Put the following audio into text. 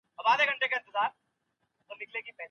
ژوند خو خوندور دی خو څوک خوشحاله سي .